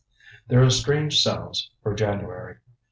There are strange sounds for January.